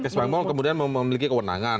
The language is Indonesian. kes bang pol kemudian memiliki kewenangan